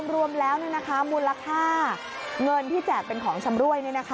รวมแล้วมูลค่าเงินที่แจกเป็นของชำรวย